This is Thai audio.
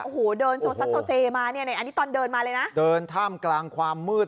โอ้โหเดินมาเนี้ยอันนี้ตอนเดินมาเลยนะเดินถ้ามกลางความมืด